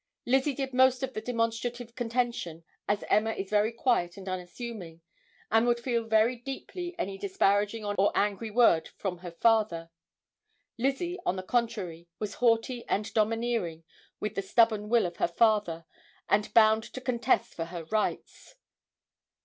Lizzie did most of the demonstrative contention, as Emma is very quiet and unassuming, and would feel very deeply any disparaging or angry word from her father. Lizzie on the contrary, was haughty and domineering with the stubborn will of her father and bound to contest for her rights.